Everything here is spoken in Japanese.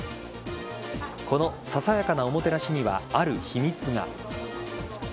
このささやかなおもてなしにはある秘密が。